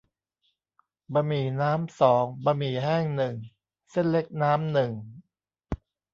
บะหมี่น้ำสอง บะหมี่แห้งหนึ่ง เส้นเล็กน้ำหนึ่ง